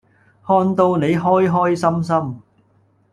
看到你開開心心